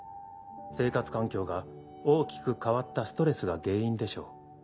生活環境が大きく変わったストレスが原因でしょう。